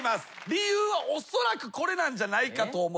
理由はおそらくこれなんじゃないかと思います。